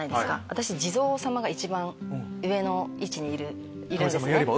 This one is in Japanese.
私地蔵さまが一番上の位置にいるんですね。